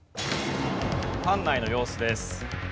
館内の様子です。